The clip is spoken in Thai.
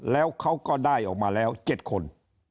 แล้วเขาก็ได้ออกมาแล้ว๗คน